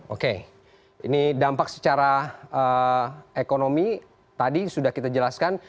oke ini dampak secara ekonomi tadi sudah kita jelaskan